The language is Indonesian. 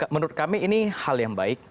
menurut kami ini hal yang baik